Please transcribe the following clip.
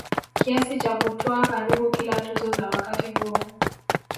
kiasi cha kutwaa karibu kila tuzo za wakati huo